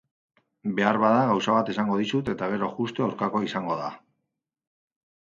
Beharbada gauza bat esango dizut eta gero justu aurkakoa izango da.